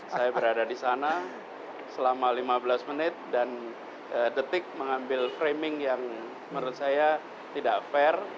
saya berada di sana selama lima belas menit dan detik mengambil framing yang menurut saya tidak fair